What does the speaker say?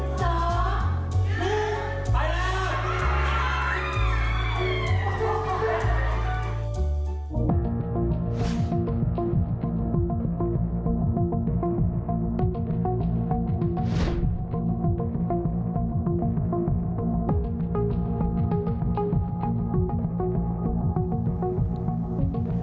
สองหนึ่งไปแล้ว